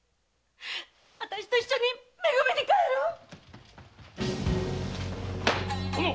私と一緒にめ組に帰ろう‼殿！